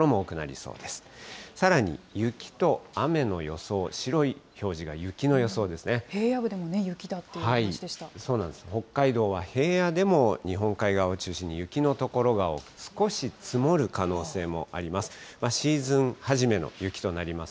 そうなんです、北海道は平野でも日本海側を中心に雪の所が多く、少し積もる可能性もあります。